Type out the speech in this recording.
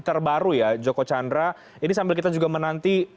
terbaru ya joko chandra ini sambil kita juga menanti